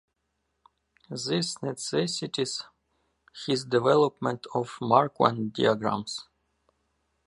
This necessitated his development of Marquand diagrams.